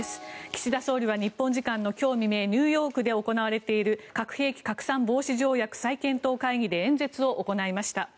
岸田総理大臣は今日未明ニューヨークで行われている核兵器拡散防止条約再検討会議で演説を行いました。